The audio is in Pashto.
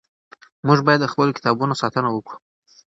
موږ باید د خپلو کتابونو ساتنه وکړو.